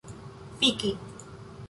fiki